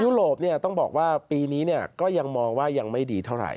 โรปต้องบอกว่าปีนี้ก็ยังมองว่ายังไม่ดีเท่าไหร